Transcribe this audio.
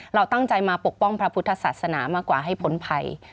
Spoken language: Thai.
เราตั้งใจมาปกป้องพระพุทธศาสนามากกว่าให้พ้นภัย